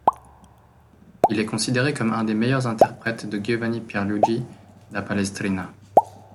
Il est considéré comme un des meilleurs interprètes de Giovanni Pierluigi da Palestrina.